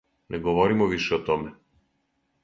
Не говоримо више о томе.